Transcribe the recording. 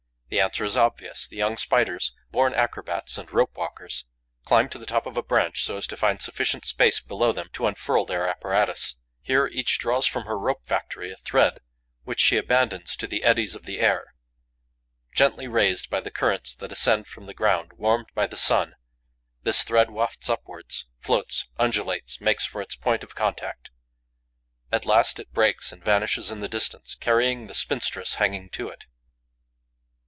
The answer is obvious. The young Spiders, born acrobats and rope walkers, climb to the top of a branch so as to find sufficient space below them to unfurl their apparatus. Here, each draws from her rope factory a thread which she abandons to the eddies of the air. Gently raised by the currents that ascend from the ground warmed by the sun, this thread wafts upwards, floats, undulates, makes for its point of contact. At last, it breaks and vanishes in the distance, carrying the spinstress hanging to it.